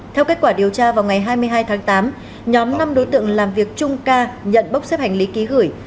theo kết quả điều tra vào ngày hai mươi hai tháng tám nhóm năm đối tượng làm việc chung ca nhận bốc xếp hành lý ký gửi